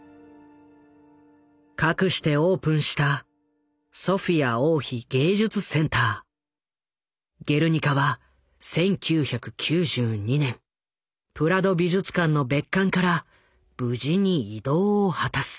かくしてオープンした「ゲルニカ」は１９９２年プラド美術館の別館から無事に移動を果たす。